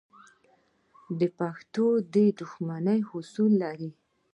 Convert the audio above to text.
پښتون د دښمنۍ اصول لري.